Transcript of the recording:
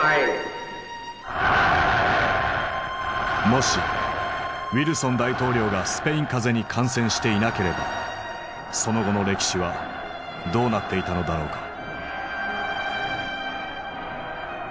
もしウィルソン大統領がスペイン風邪に感染していなければその後の歴史はどうなっていたのだろうか。